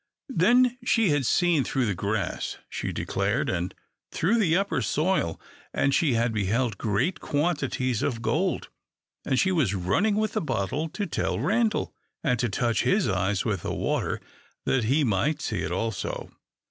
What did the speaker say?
Then she had seen through the grass, she declared, and through the upper soil, and she had beheld great quantities of gold. And she was running with the bottle to tell Randal, and to touch his eyes with the water that he might see it also.